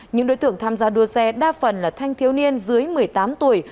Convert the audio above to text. những đối tượng tham gia đua xe đa phần là thanh thiếu niên dưới một mươi tám tuổi